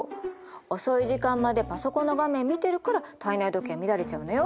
遅い時間までパソコンの画面見てるから体内時計乱れちゃうのよ。